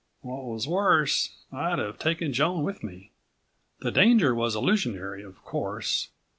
What was worse, I'd have taken Joan with me. The danger was illusionary, of course